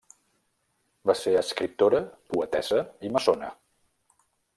Va ser escriptora, poetessa i maçona.